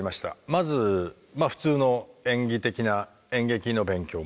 まずまあ普通の演技的な演劇の勉強もしました。